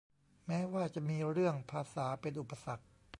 แม้ว่าจะมีเรื่องภาษาเป็นอุปสรรค